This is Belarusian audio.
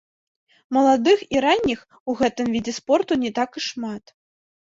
Маладых і ранніх у гэтым відзе спорту не так і шмат.